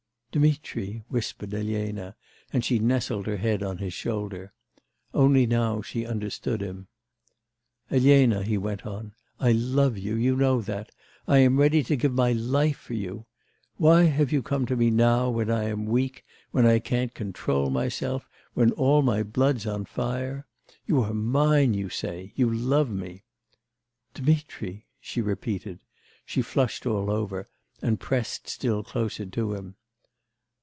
'Dmitri,' whispered Elena, and she nestled her head on his shoulder. Only now she understood him. 'Elena,' he went on, 'I love you, you know that; I am ready to give my life for you.... Why have you come to me now, when I am weak, when I can't control myself, when all my blood's on fire... you are mine, you say... you love me ' 'Dmitri,' she repeated; she flushed all over, and pressed still closer to him.